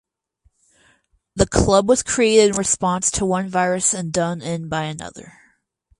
The club was created in response to one virus and done in by another.